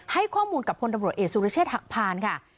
ให้ข้อมูลกับพลตำรวจเอกสุรเชษฐหักพานค่ะ